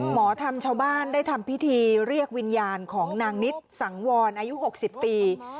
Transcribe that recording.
หมอธรรมชาวบ้านได้ทำพิธีเรียกวิญญาณของนางนิดสังวรอายุ๖๐ปี